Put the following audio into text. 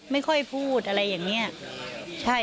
ไม่ค่อยพูดอะไรอย่างนี้